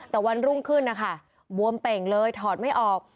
แต่วันรุ่งขึ้นนะคะบวมเป่งเลยถอดไม่ออก